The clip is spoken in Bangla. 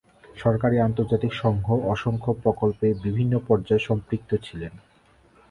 সরকারী, আন্তর্জাতিক সংঘ, অসংখ্য প্রকল্পে বিভিন্ন পর্যায়ে সম্পৃক্ত ছিলেন।